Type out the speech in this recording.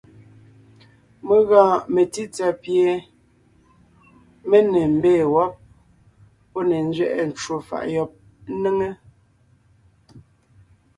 Mé gɔɔn metsítsà pie mé ne mbee wɔ́b, pɔ́ ne nzẅɛʼɛ ncwò faʼ yɔb ńnéŋe,